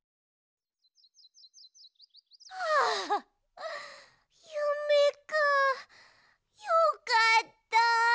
はあゆめかよかった。